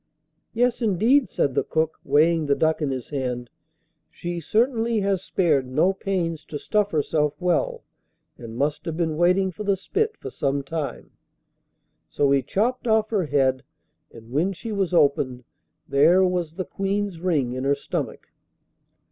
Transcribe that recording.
'Yes, indeed,' said the cook, weighing the duck in his hand, 'she certainly has spared no pains to stuff herself well, and must have been waiting for the spit for some time.' So he chopped off her head, and when she was opened there was the Queen's ring in her stomach.